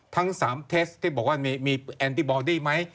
ทั้ง๓เทสที่บอกว่ามีแอนตี้บอดี้ไหม